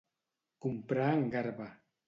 Comprar en garba.